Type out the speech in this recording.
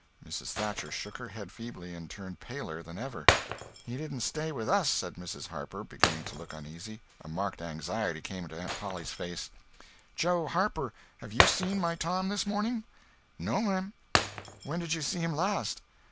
Mrs. Thatcher shook her head feebly and turned paler than ever. "He didn't stay with us," said Mrs. Harper, beginning to look uneasy. A marked anxiety came into Aunt Polly's face. "Joe Harper, have you seen my Tom this morning?" "No'm." "When did you see him last?"